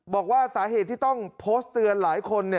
บอกว่าสาเหตุที่ต้องโพสต์เตือนหลายคน